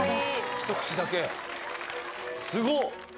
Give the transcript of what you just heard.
ひと口だけすごっ